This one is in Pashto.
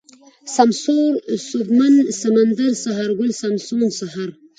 سمسور ، سوبمن ، سمندر ، سهارگل ، سمون ، سحر